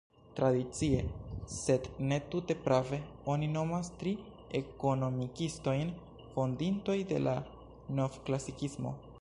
Tradicie, sed ne tute prave, oni nomas tri ekonomikistojn fondintoj de la novklasikismo.